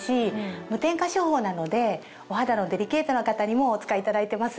無添加処方なのでお肌のデリケートな方にもお使いいただいてます。